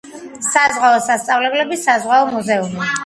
საზღვაო სასწავლებლები, საზღვაო მუზეუმი.